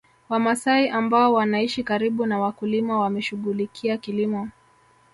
Wamasai ambao wanaishi karibu na wakulima wameshughulikia kilimo